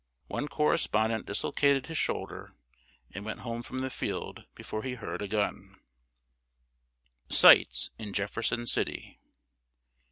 One correspondent dislocated his shoulder, and went home from the field before he heard a gun. [Sidenote: SIGHTS IN JEFFERSON CITY.